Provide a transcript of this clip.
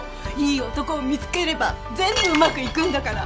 いい男を見つければ全部うまくいくんだから。